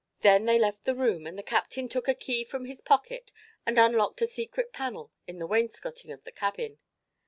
Then they left the room and the captain took a key from his pocket and unlocked a secret panel in the wainscoting of the cabin.